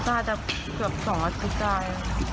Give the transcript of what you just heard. จะเกือบ๒วันที่ได้